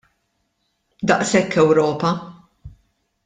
Daqshekk Ewropa!